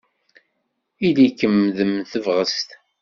Ili-kem d mm tebɣest.